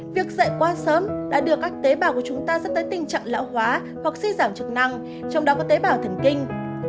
việc dạy qua sớm đã đưa các tế bào của chúng ta dẫn tới tình trạng lão hóa hoặc suy giảm trực năng trong đó có tế bào thần kinh